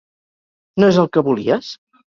No és el que volies?